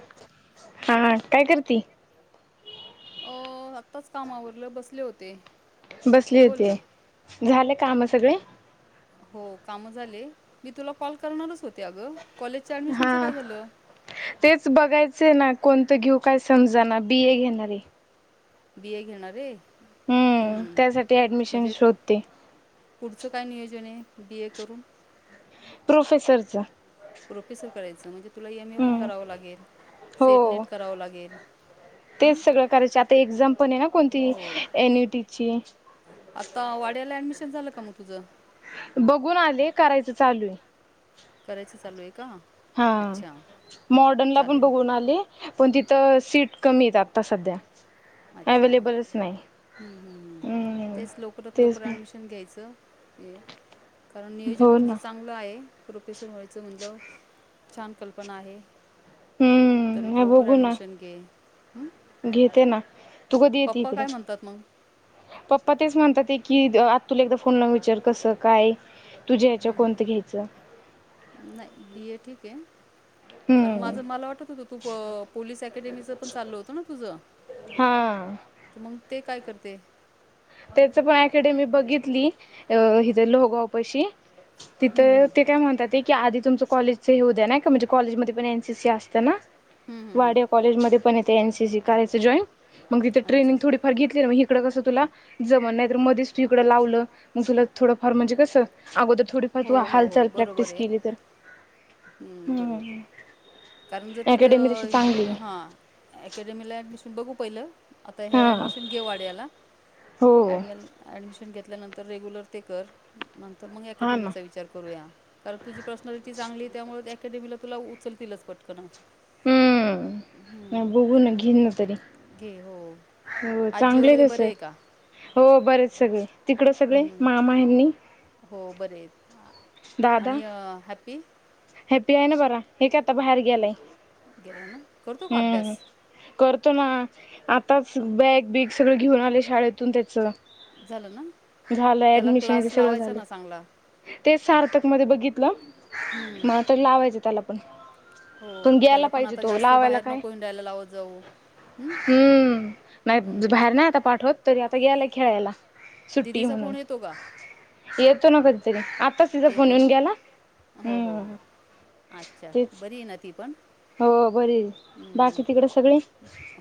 [unintelligible] हा काय करती, आत्ताच कामावर बसले होते. बसली बोल होती, ना. झालं काम सगळी. हो काम झाले, मी तुला कॉल करणारच होते. ते अग कॉलेजच्या ऍडमिशनच हा काय झालं? तेच बघायचे ना कोणतं घेऊ काय समजा ना बी. ए. घेणारे. बी. ए. घेणारे. हम्म, त्यासाठी ऍडमिशन शोधते. काही नियोजन हे बी. ए करून? प्रोफेसरच. प्रोफेसर करायचं म्हणजे, तुला एम. ए. पण हम्म करावं लागेल. सेट हो नेट करावं लागेल. हं. तेच सगळं करायचे आता एक्झाम पण आहे, ना कोणती एन. यू. टी ची. आता वाड्याला ऍडमिशन झालं, का मग तुझं? बघून आले, करायचं चालू हे. करायचं चालू आहे का? हा अच्छा. मॉडन ला पण चालेल. बघून आले. पण तिथं सीट कमी आहेत, आत्ता सध्या. अच्छा, अवेलेबलच नाही हम्मम हम्म तेच लवकरात तेच लवकर ना. ऍडमिशन घ्यायचं. कारण नियोजन हो ना तुझं चांगलं आहे. प्रोफेसर व्हायचं म्हणल्याव छान कल्पना आहे. तरी हम्म हे लवकर बघू ना ऍडमिशन घे. हम, घेते ना तू कधी यती इकडं. [unintelligible] तेच म्हणतात ते की, आत्तुला एकदा फोन लावून विचार कसं काय तुझ्या ह्याच्या कोणतं घ्यायचं [unintelligible] नाय ये ठीक आहे. कारण हम्म माझ मला वाटत होतं, तू पोलीस अकॅडमीचं पण चालल होतं ना तुझं. हा तर मग ते काय करते? त्याच पण अकेडेमी बघितली. अ हिथे लोहगाव पशी. हं, तिथं हं. ते काय म्हणतात की, आधी तुमचं कॉलेज हे होऊ द्या, ना का म्हणजे कॉलेजमध्येध्ये पण एनसीसी असत्यात. हं, हं, हं. वाड्या कॉलेज मध्ये, पण येते एनसीसी करायचं जॉईन. मग तिथे अच्छा ट्रेनिंगथोडीफार घेतली ना, मग इकडं कसं तुला जमल नाही तर मध्येच तू इकडं लावलं मग तुला थोडं, फार म्हणजे कसं [unintelligible] थोडीफार हो तू, हालचाल प्रॅक्टिस केली तर हम्म, बरोबर. कारण जर अकॅडमी तशी चांगली तिथं हा अकॅडमीला बघू पहिला आता हा हे ऍडमिशन घे वाड्याला, हो [unintelligible] घेतल्यानंतर रेगुलर ते कर. नंतर मग [unintelligible] हा ना चा विचार करूया कारण तुझी पर्सनॅलिटी चांगली. त्यामुळे अकॅडमी, तुला उचलतीलच पटकन. हम्म, हं, बुघू तर ना घेन ना तरी. घे हो हो, आजी चांगलं वगैरे हे बरे तसं आहे का हो बरे हेत सगळे. तिकड सगळे हं, मामा यांनी हो बरे हेत आणि हॅप्पी हॅपी आहे ना बरा हे काय, आता बाहेर गेलाय. गेल्या ना करतो का अभ्यास हम, कर हो ना आताच बॅग बीग सगळं घेऊन, आले शाळेतून त्याचं. झालं ना, त्याला क्लास लावायचा ना चांगला. तेच सार्थक मध्ये बघितलं. हं, मग आता लावायचं त्याला पण. हो ग्यायला त्याला पण पाहिजे आता तो जास्त लावायला बाहेर काय नको, हिंडायला लावत जाऊ. हं, हम्म, नाही हं. बाहेर नाही आता पाठवत तरी, गेला खेळायला सुट्टी है दीदीचा म्हणून फोन येतो का? येतो ना कधीतरी [unintelligible] आता तिचा फोन येतो ना? येऊन गेला. हो, हो, हम हो. अच्छा बरीय ना ती पण. बरीय हं. बाकी तिकडे सगळे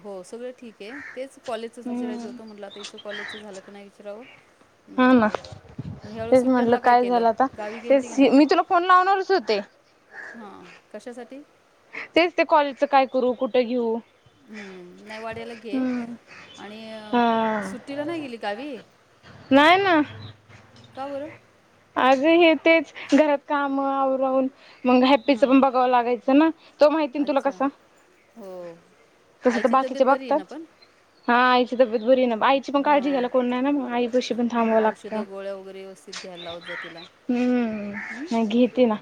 हो सगळं ठीके तेच कॉलेजच विचारायचं हम्म होतं म्हटलं आता इसं कॉलेजच झालं का नाही विचारवं. हा ना तेच म्हटलं सुट्ट्यांला काय केलं? झालं आता गावी गेली ते होती का नाही? मी तुला फोन लावणारच होते. हां. कशासाठी? तेच ते कॉलेजच काय करू कुठं घेऊ. हम्म नाही वड्याला घे. हम्म. आणि हा सुट्टीला नाही गेली गवी. नाही काबर. आग हे तेच घरात काम आवरवून. मग हॅप्पीच पण बघाव लागायचं ना तो माहिती ना तुला अच्छा. कसा. हो. तस तर आईची तब्येत बाकीचे बरी आहे ना बघतात पण? हा. तब्येत बरीय ना आईची पण काळजी हां. घ्याला कोण नाय ना मग आई पशी पण मग थांबव लागत. औषधं, गोळ्या वगैरे व्यवस्थित घ्यायला जा तिला. हं. नाही घेते ना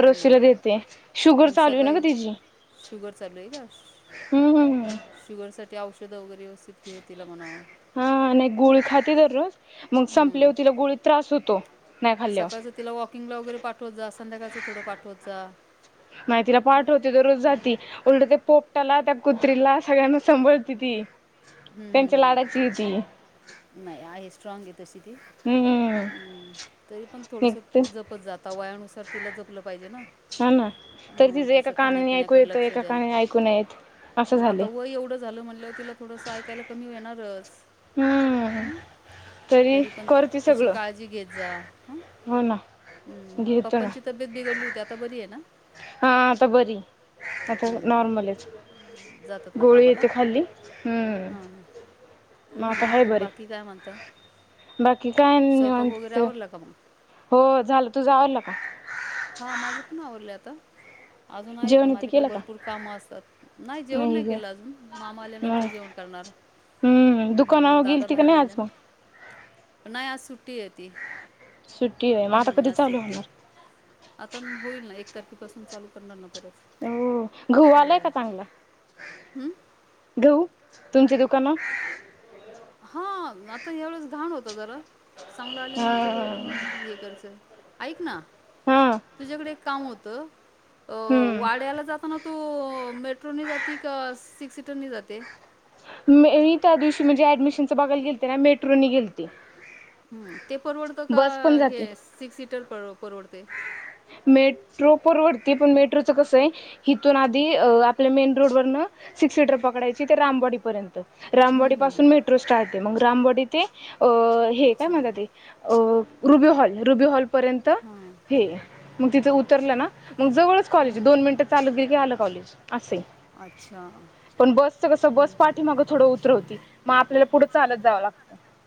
हो ना. देते शुगर मग चालूय ना सकाळी ग तिची. शुगर चालूये का? हम्म. शुगर साठी औषधं वगैेरे व्यवस्थित घे तिला म्हणाव. हा नाय गोळी खाते दररोज मग हं. संपलेव तीला गोळी त्रास होतो. नाही खाल्ल्यावर सकाळचं तिला वॉकिंगला वगैरे पाठवत जा. संध्याकाळचं थोडं पाठवत जा. नाही तीला पाठवते दररोज जाती उलट ते पोपटाला त्या कुत्रीला सगळ्यांना सभळती ती. हम्म त्यांच्या हम्म लाडाची आहे ती हम्म नाही आहे स्ट्रॉगे तशी ती. हम्म हम्म तरी पण थोडस एक जपत जा. वयानुसार तिला जपलं पाहिजे ना. हा ना तरी हं. तिं एका तिचं कानाने ऐकू खाण्यापिण्याकडे येत, लक्ष एका द्या. कानाने ऐकू न येत. असं झाले आता वय एवढं झालं म्हणल्याव तिला थोडस ऐकायला कमी होणारच. हम्म. तरी पण करते तिची सगळं काळजी घेत जा, हं. हो ना हम्म घेतो ना पप्पांची तब्येत बिघडली होती आता बरीये ना. हा आता बरी. आता हं. नॉर्मलच जातात ना गोळीये कामाला ती खाल्ली हम्म. हां हां आता हाय मग बरी बाकी काय म्हणताय. बाकी काय नई स्वयंपाक वगैरे निवांतहो आवरला का मग झालं तूजा आवरल का? हा माझं पण आवरलं आता. अजून आहेत ना जेवण ते माझ्याकडे केलं का भरपूर कामं असतात नाही जेवण नाही केलं अजून मामा मग आल्यानंतर जेवण करणार. हम्म हं, दुकानावर दादा गेलती का बाहेर नाही गेले आज म. ना नाही आज सुट्टी येती. सुट्टीये म आता कधी चालू होणार. आता होईल ना एक तारखेपासून चालू करणार न परत. हो गहू हो आलाय का चांगला हं? गहू. तुमची दुकान. हा आता एवढंच घाण होत जरा. चांगलं आल्यानंतर हा हे करायचं, ऐक ना. हा तुझ्याकडे एक काम होत अ हम्म वाड्याला जाताना तू मेट्रोनी जाते का सिक्स सीटरनी जाते. मी त्या दिवशी म्हणजे ऍडमिशनच बघाल गेलते ना मेट्रोनी गेलते. हम्म ते परवडतं का बस पण हे जाते. सिक्स सीटर परवडत. मेट्रो. परवडती पण मेट्रोच कसये हथून आधी आपल्या मेन रोड व सिक्स सीटर पकडा ची ते रामबडी पर्यंत रामबडी हं, हं, पासून हं. मेट्रो स्टार्टते मग रामडी ते अ हे काय अच्छा म्हणता ते अ रुबी हॉल रुबी हॉलपर्यंत. हां हे मग तिथं उतरलं ना मग जवळच कॉलेज हां. दोन मिनिटं चालत गेल की आलं कॉलेज. असय अच्छा हं, पण बसच कस बस पाठीमाग थोडं उतरवती. म आपल्याला पुढं चालत जावं लागं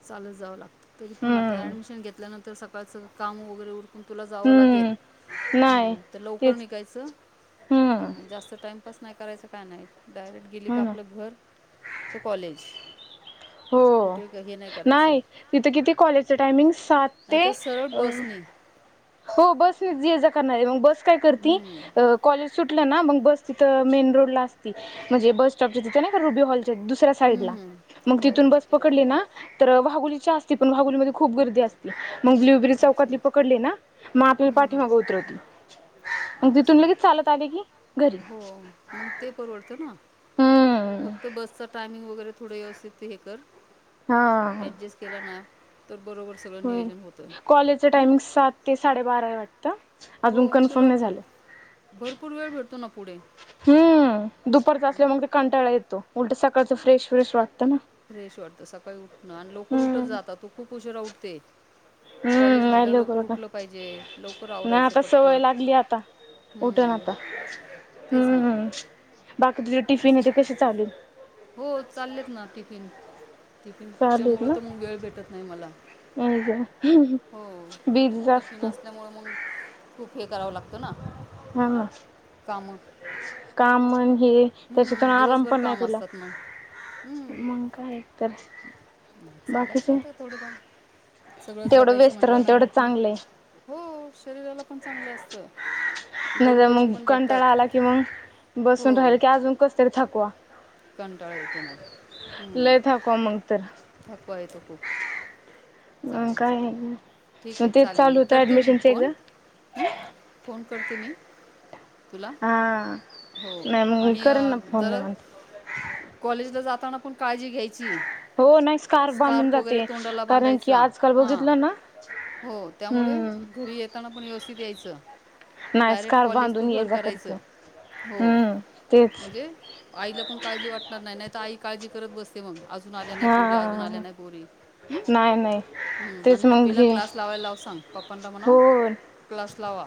चालत जावं लागतं, तरी पण आता ऍडमिशन घेतल्यानंतर सकाळचं काम वगैरे उर कून तुला जावं लागेल. हम्म नाही हम् तर लवकर तेच निघायचं हम्म हम् जास्त टाइमपास नाय करायचं काय नाय डायरेक्ट गेली का हो ना आपलं घर टू कॉलेज हो कुठे कही नाही करायचं नाही तिथं किती कॉलेजचं टायमिंग्स सात ते नाहीतर सरळ अं बसनी हो बसच ये जा करनारय बस काय करती हं, अं कॉलेज सुट लं ना मग बस तिथं मेन रोडला असती म्हणजे बस स्टॉप च्या तिथं नाही का, रुबी हॉल त दुसऱ्या साईडला हं, हं. मग हो तिथून हो बस पकडली ना तर व्हागुलीच्या असती पण व्हागुलीमध्ये खूप गर्दी असती मग ब्ल्यु बेरी अच्छा चौकातली पकडली ना म आपल्याला हं, हं. पाठीमागं उतरवती मग तिथून अच्छा लगेच चाल हो मग ते परवडत ना हम्म फक्त बसचा टायमिंग वगैरे थोडं व्यवस्तीत ते हे कर हा ॲडजस्ट केला ना, तर बरोबर सगळं होय नियोजन होतं. कॉलेजचं टायमिंग सात ते साडेबारा य वाटतं हो अजून म कन्फर्म तुला नाही झालं भरपूर वेळ भेटतो ना पुढे हम्म दुपारचं असल्या मग ते कंटाळा येतो, उलट सकाळचं फ्रेश फ्रेश वाट फ्रेश वाटतं, सकाळी उठणं आणि लौकर उठत हम्म जा आता तू खूप उशिरा उठते कॉलेज हम्म नाही म्हटल्याव लवकर लौकर उठलं उठत पाहिजे लौकर आवरायचं पटपट उठण हं, आता तेच हम्म ना हम्म बाकी तुझे टिफिन असं. आहे ते कसे चालू आहेत हो चाललेत ना टिफिन टिफिनच्या चालू आहेत मुळ ना तर मग वेळ भेटत नाही मला हो बिझीच टिफिन असते असल्यामुळे मग खूप हे करावं लागतं ना हाय म कामं. काम न हे त्याच्यातून हं, आराम दिवसभर पण नाही काम तुला असतात मग. हं. मग काय तर चालायचं बाकीचे आता थोड फार सगळच तेवढं बघायचं व्यस्त म्हटल्याव राहून नाही तेवढं होत ना? चांगलं आहे हो शरीराला पण चांगलं असत. नजर मग कंटाळा आला कि मग बसून हो राहिल की अजून कस तरी थकवा कंटाळा येतो मग हम्म लय थकवा मग तर [unintelligible] तू खुप मग चालेल काय चालेल ठीक मग आहे तेच चालेल म चालू होतं करते मी ऍडमिशनच एकदा फोन अं फोन करते मी तुला हा हो नाही मग मी करेन ना फोन निवांत कॉलेज ला जाताना पण काळजी घ्यायची हो नाही स्कार्फ बांधून वगैरे जाते तोंडाला कारण की बांधायचा आजकाल हां बघितलं ना हो, त्यामुळे हम्म घरी येताना पण व्यवस्थित यायचं. नाही डायरेक्ट स्कार्फ कॉलेज टू बांधून ये घर जा करायचं [unintelligible] हो हम्म तेच म्हणजे आईला पण काळजी वाटणार नाही नाही तर आई काळजी करत बसते मग अजून आल्या नाही हा पोरी अजून आल्या नाही पोरी ह नाही नाही ह तेच आणि मग हॅपीला हे क्लास लावायला लाव सांग पप्पांना हो म्हणाव क्लास लावा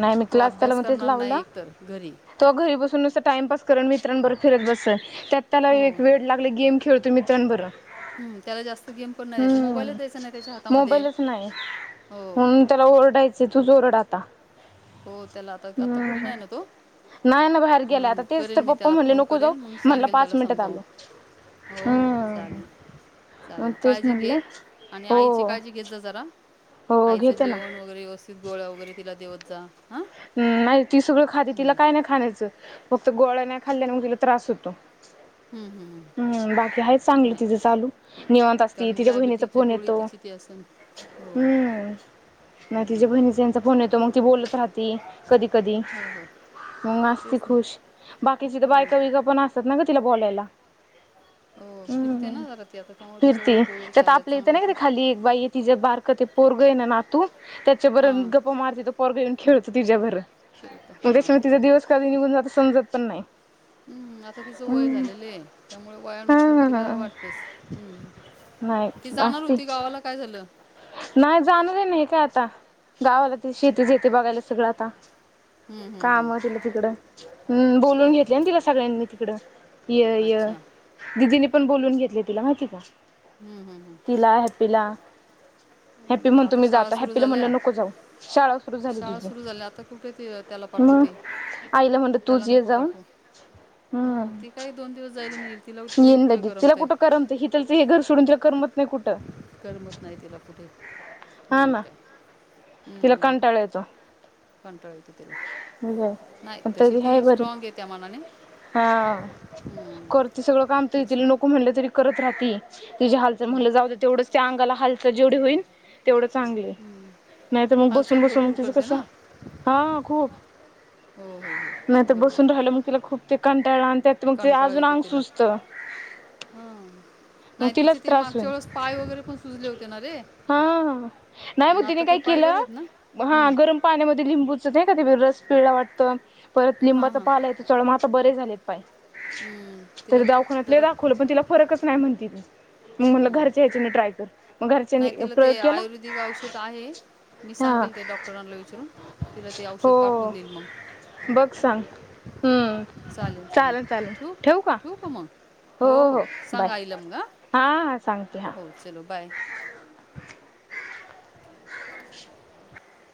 नाही मी तो क्लास त्याला अभ्यास म तेच करणार लावल. नाही एकतर घरी तो घरी बसून आस टाइमप करुन मित्रांबर फिरत बसल त्यात त्याला हो एक वेड लागलय गेम खेळतोय मित्रांबर हम् त्याला जास्त गेम पण नाही द्यायचं मोबाईलच द्यायचा नाही त्याच्या हातामध्ये मोबाईलच नाही हो म्हणून त्याला ओरडायच तूच ओरड आत हो त्याला आता आता घरी नाही ना तो नाही ना बाहेर गेलाय, हं, आता तेच करेल तर मी पप्पा त्याला म्हणले फोन नको करेल जाऊ, मग म्हणला सांगेल पाच त्याला मिनिटात समजावून आलो हो हो हम्म चालेल मग चालेल तेच काळजी घे म्हणलं आणि हो आईची काळजी घेत जा जरा हो आईचं घेते ना जेवण वगैरे व्यवस्थित गोळ्या वगैरे तिला देवत जा हां हुं नाही ती सगळं खाते तिला काय नाही खान्याचं प त गोळ्या नाही खाल्या [unintelligible] त्रास होतो. हम्, हम् हम बाकी आहेच चांगलं तिज चालू निवांत असती कारण तिच्या बहिणीचा डायबिटीची फोन गोळी येतो. तिची ती असेल हो हम्म म तिच्या बहिणीतेचा फोन येतो मग ती बोलत राहती कधी कधी हो हो मग आसती तेच ना खुश बाकीची त हां बायका बियका पण असतात ना ग तिला बोलायला. हो फिरते हम्म ना जरा ती आता त्यामुळे तिच्या फिरती ओळखी वगैरे त्याता चालल्या आपली ते चांगल्या नाही का तर ते खाली एक बाई तिज बारक ते पोरग ये ना नातू त्याच्या बरन हां गप्पा मारते पोरग येऊन खेळतो तिच्याबर खेळतं मग हां त्याच्यामुळ तेच तिचा दिवस कधी निघून जातो समजत पण नाही. हम्म आता तिचं वय हम्म झालेलं आहे त्यामुळ वयानुसार तिला हा वाटतच हम्म नाही ती जाणार असती होती गावाला काय झालं? नाही जाणार आहे मी काय आता गावाला ते शेती शेती बघायला सगळं आता हम् काम दिले तिकडं हम् बोलून तिकडं घेतलं ना तिला सगळ्यांनी तिकडं य य अच्छा दिदीनी पण बोलून घेतले तिला माहितीहे का हं, हं, हं. तिला हॅप्पीला [inaudible] हॅप्पी अं, म्हणतो आता मी शाळा जातो सुरू हॅपीला म्हणलं झाल्या नको जाऊ शाळा सुरू झाली शाळा तुझी सुरू झाल्या आता कुठे ती त्याला म पाठवते आईला म्हणतल त्याला तूच ये नको जाऊन पाठवू हां हम्म ती काही दोन दिवस जाईल आणि येईल तिला तिथे येईन कुठे लगीच तिला करमतंय कुठं करमत हितच हे घर सोडून तिला करमत नाही कुठं. करमत नाही तिला कुठे हा मग ना काय तिला हम्म कंटाळा येतो कंटाळा येतो तिला नाही तशी तरी हाय ती बरी स्ट्रॉग आहे त्या मानाने. हा हं, करते सगळं काम ति तेच तिला ना नको म्हनले तरी करत राहती. तिजी हालचाल हं. म्हणलं जाऊं तेवढंच त्या अंगाला हालचाल जेवढी होईन तेवढं चांगलं ये नाही तर मग बसून हालचाल बसून भरपूर तिचं करते कस ना हा खूप हो हो हो नाही तर बसून बरोबर राहिलं मग तिला खूप ते कट त्यात मग ते आजून अंग सुजत. हा नाही तिचे ते मागच्या होईल वेळेस पाय वगैरे पण सुजले होते ना रे हा, हा नाही मग मुदिने आता ते काय पायवर केलं आहेत ना हा हं. गरम पाण्यामध्ये लिंबूच नाही का ते रस पिळा वाटत परत हां लिंबाचा हां पाला आहे तो चोळला म आता बरे झालेत. ताई हं. तर तिला दावाखान्यात लई जरा दाखवलं पण तिला फरकच नाही म्हणती ती. म म्हनलं घरचे हेच्यानी ट्राय कर. मग घरच्यांनी नाही तिला ते प्रयोग केला आयुर्वेदिक औषध आहे. मी हा सांगेल त्या डॉक्टरांना विचरून तिला ते औषध पाठवून हो देईल मग बघ सांग. हम्म चालेल चालेल ठवू ठेवू का मग? हो हो सांगा आईला मग हां हा हा सांगते हा हो चलो बाय.